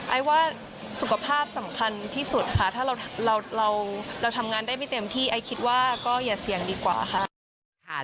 ไอ้ว่าสุขภาพสำคัญที่สุดค่ะถ้าเราทำงานได้ไม่เต็มที่ไอ้คิดว่าก็อย่าเสี่ยงดีกว่าค่ะ